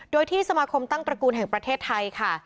โดยที่สมาคมตั้งตระกูลแห่งประเทศไทยค่ะ